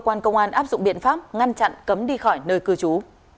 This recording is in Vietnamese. cơ quan công an áp dụng biện pháp ngăn chặn cấm đi khỏi nơi cư trú